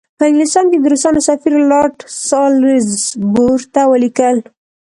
په انګلستان کې د روسانو سفیر لارډ سالیزبوري ته ولیکل.